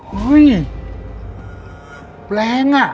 เฮ้ยแรงอะ